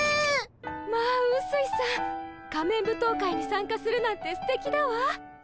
まあうすいさん仮面舞踏会に参加するなんてすてきだわ。